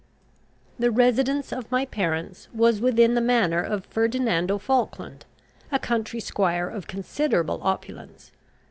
The residence of my parents was within the manor of Ferdinando Falkland, a country squire of considerable opulence.